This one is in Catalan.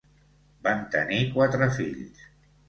Van tenir quatre fills: